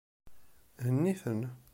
Hennit-ten.